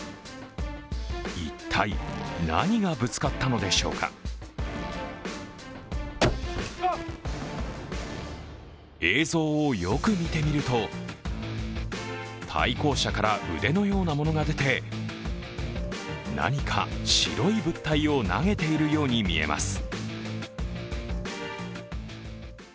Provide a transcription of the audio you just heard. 一体、何がぶつかったのでしょうか映像をよく見てみると、対向車から腕のようなものが出て何か白い物体を投げているように見えます。